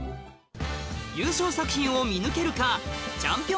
優勝作品を見抜けるか？